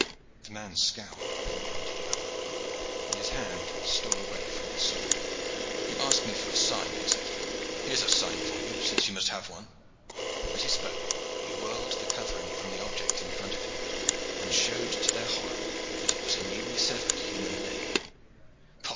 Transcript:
The man scowled from one to the other, and his hand stole away from his sword. "You ask me for a sign," he said. "Here is a sign for you, since you must have one." As he spoke he whirled the covering from the object in front of him and showed to their horror that it was a newly severed human leg.